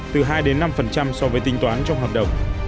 từ hai đến năm so với tính toán trong hợp đồng